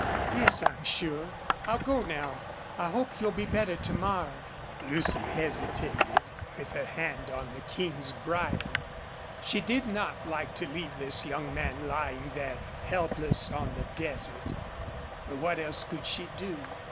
"Yes, I'm sure. I'll go now. I hope you'll be better to morrow." Lucy hesitated, with her hand on the King's bridle. She did not like to leave this young man lying there helpless on the desert. But what else could she do?